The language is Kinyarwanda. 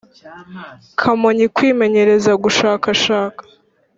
Kamonyi kwimenyereza gushakashaka